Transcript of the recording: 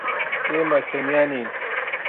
ئێمە تەنیا نین.